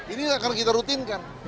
ini akan kita rutinkan